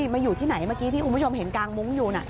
มาอยู่ที่ไหนเมื่อกี้ที่คุณผู้ชมเห็นกางมุ้งอยู่น่ะ